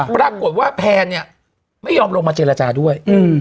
ปรากฏว่าแพนเนี่ยไม่ยอมลงมาเจรจาด้วย